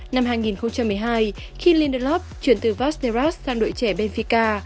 năm hai nghìn một mươi hai khi lindelof chuyển từ vazderas sang đội trẻ benfica